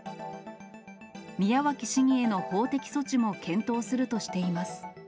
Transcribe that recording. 宮脇市議への法的措置も検討するとしています。